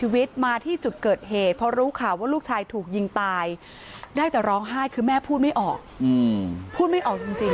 ว่าลูกชายถูกยิงตายได้แต่ร้องไห้คือแม่พูดไม่ออกอืมพูดไม่ออกจริงจริง